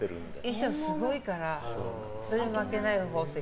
衣装すごいからそれに負けないように宝石。